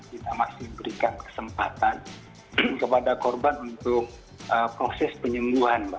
kita masih berikan kesempatan kepada korban untuk proses penyembuhan mbak